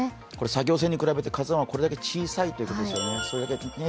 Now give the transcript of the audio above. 作業船に比べて「ＫＡＺＵⅠ」はこれだけ小さいということですね。